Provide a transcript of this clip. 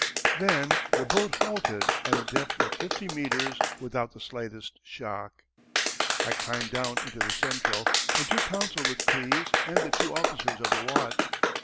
Then the boat halted at a depth of fifty meters without the slightest shock. I climbed down into the central and took counsel with Klees and the two officers of the watch.